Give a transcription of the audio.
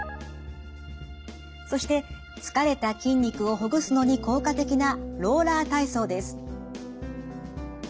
そして疲れた筋肉をほぐすのに効果的なローラー体操です。